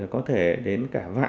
có thể đến cả